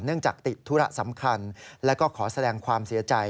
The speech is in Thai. จากติดธุระสำคัญและก็ขอแสดงความเสียใจ